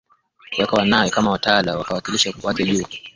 kuweka wanawe kama watawala na wawakilishi wake juu ya vijiji vya mama zao Kwa